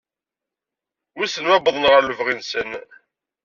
Wisen ma uwḍen ɣer lebɣi-nsen.